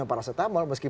orang yang terlalu sedih